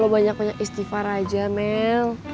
banyak banyak istighfar aja mel